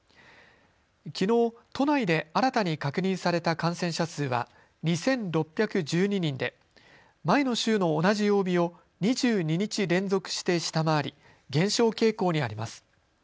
きのう都内で新たに確認された感染者数は２６１２人で前の週の同じ曜日を２２日連続して下回り減少傾向にあります。